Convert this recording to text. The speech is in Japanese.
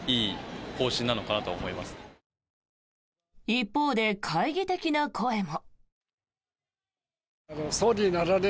一方で懐疑的な声も。